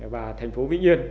và thành phố vĩnh yên